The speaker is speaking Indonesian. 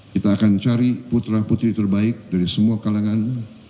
kita akan cari putra putri terbaik dari semua kalangan